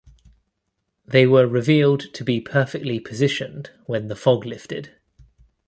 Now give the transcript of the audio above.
They were revealed to be perfectly positioned when the fog lifted.